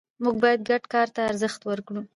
موږ باید ګډ کار ته ارزښت ورکړو